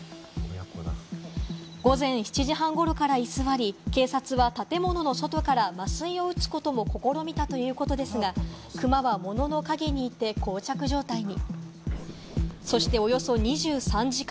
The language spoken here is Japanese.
午前７時半ごろから居座り、警察は建物の外から麻酔を撃つことも試みたということですが、クマは物の陰にいて、こう着状態に。